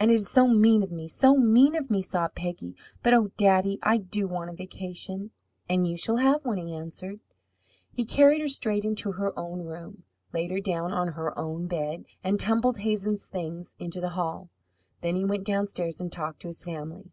"And it is so mean of me, so mean of me!" sobbed Peggy. "But, oh, daddy, I do want a vacation!" "And you shall have one," he answered. He carried her straight into her own room, laid her down on her own bed, and tumbled Hazen's things into the hall. Then he went downstairs and talked to his family.